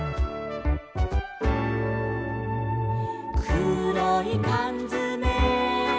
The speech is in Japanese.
「くろいかんづめ」